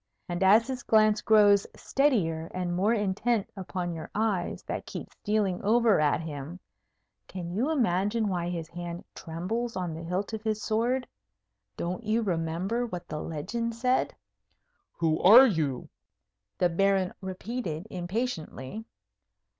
And as his glance grows steadier and more intent upon your eyes that keep stealing over at him, can you imagine why his hand trembles on the hilt of his sword? Don't you remember what the legend said? "Who are you?" the Baron repeated, impatiently.